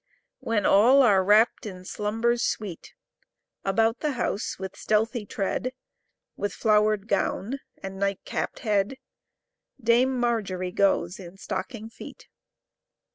en all are wrapped in Slumbers sweet , About theAfci/xe, with stealthy Treads With fioweredCbi£;/7» and night capped Head. Dame Margery goes , in Stocking Feet